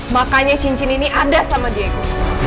makanya cincin ini ada sama diego